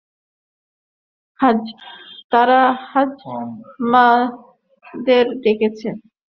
তারা হ্যাজমাতদের ডেকেছে।